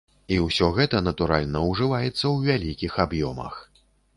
І ўсё гэта, натуральна, ужываецца ў вялікіх аб'ёмах.